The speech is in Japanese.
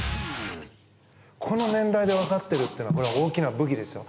この年代で分かっているというのはこれは大きな武器ですよ。